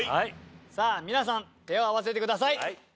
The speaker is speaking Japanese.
さぁ皆さん手を合わせてください。